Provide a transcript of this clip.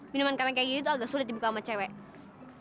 minuman karang kayak gini tuh agak sulit dibuka sama cewek